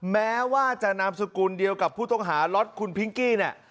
แม้ว่าจะนามสกุลเดียวกับผู้ต้องหาล็อตคุณพิงกี้เนี่ย